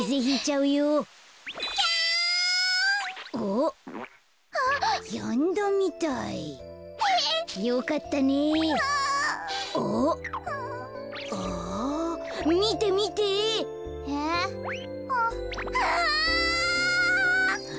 うわ。